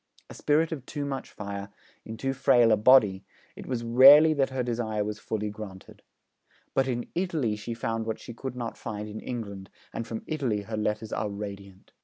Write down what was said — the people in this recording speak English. A spirit of too much fire in too frail a body, it was rarely that her desire was fully granted. But in Italy she found what she could not find in England, and from Italy her letters are radiant.